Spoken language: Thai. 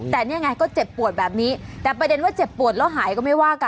แต่นี่ไงก็เจ็บปวดแบบนี้แต่ประเด็นว่าเจ็บปวดแล้วหายก็ไม่ว่ากัน